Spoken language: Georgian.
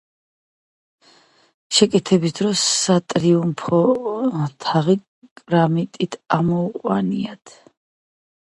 შეკეთების დროს სატრიუმფო თაღი კრამიტით ამოუყვანიათ.